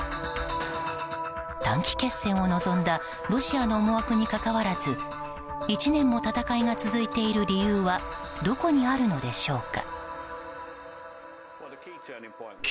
短期決戦を望んだロシアの思惑にかかわらず１年も戦いが続いている理由はどこにあるのでしょうか。